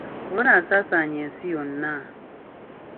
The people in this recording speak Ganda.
Kolona asaasaanye ensi yonna.